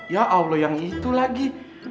ya allah yang itu lagi